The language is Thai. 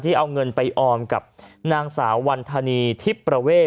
เอาเงินไปออมกับนางสาววันธนีทิพย์ประเวท